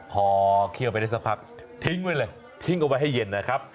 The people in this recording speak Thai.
พอเคี่ยวไปได้สักพักทิ้งไว้เลยทิ้งเอาไว้ให้เย็นนะครับ